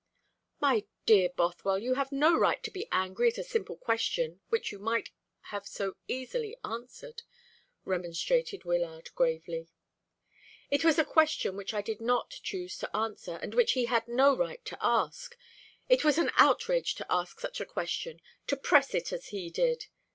"My dear Bothwell, you have no right to be angry at a simple question which you might have so easily answered," remonstrated Wyllard gravely. "It was a question which I did not choose to answer, and which he had no right to ask. It was an outrage to ask such a question to press it as he did.